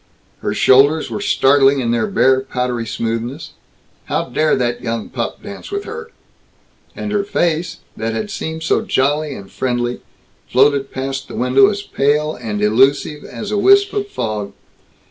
Her shoulders were startling in their bare powdery smoothness "how dare that young pup dance with her?" And her face, that had seemed so jolly and friendly, floated past the window as pale and illusive as a wisp of fog.